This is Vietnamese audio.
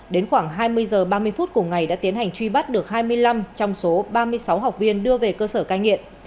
đến khoảng hai mươi h ba mươi phút cùng ngày đã tiến hành truy bắt được hai mươi năm trong số ba mươi sáu học viên đưa về cơ sở cai nghiện